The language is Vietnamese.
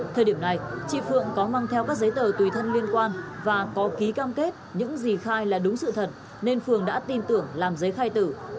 thời điểm này chị phượng có mang theo các giấy tờ tùy thân liên quan và có ký cam kết những gì khai là đúng sự thật nên phượng đã tin tưởng làm giấy khai tử